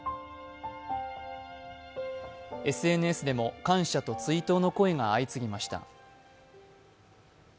ＳＮＳでも感謝と追悼の声が相次ぎました。